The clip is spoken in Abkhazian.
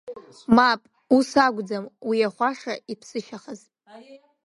Мап, ус акәӡам уи ахәаша иԥсышьахаз.